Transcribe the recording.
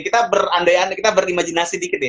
kita berandai andai kita berimajinasi dikit deh